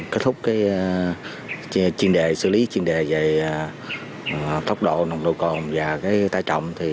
kết thúc chuyên đề xử lý chuyên đề về tốc độ nồng đồ cồn và tải trọng